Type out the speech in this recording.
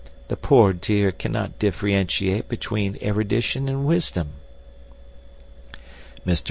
The poor dear cannot differentiate between erudition and wisdom." Mr.